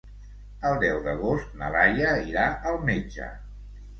El deu d'agost na Laia irà al metge.